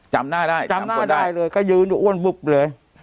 จำหน้าได้จำคนได้จำหน้าได้เลยก็ยืนอยู่อ้วนปุ๊บเลย